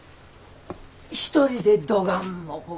一人でどがんもこ